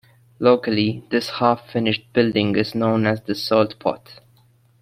Locally this half finished building is known as the "salt pot".